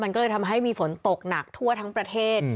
มันก็เลยทำให้มีฝนตกหนักทั่วทั้งประเทศ